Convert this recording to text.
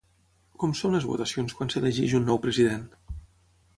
Com són les votacions quan s'elegeix un nou president?